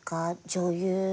女優。